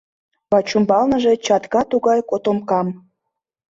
— Вачӱмбалныже чатка тугай котомкам.